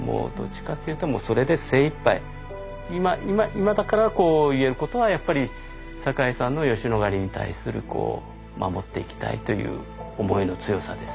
今だからこう言えることはやっぱり坂井さんの吉野ヶ里に対する守っていきたいという思いの強さですよね